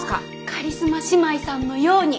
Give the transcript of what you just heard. カリスマ姉妹さんのようにお二人で。